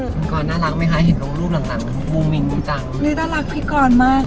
พี่กรน่ารักไหมคะเห็นตัวรูปหลังคือวูมิงดีจัง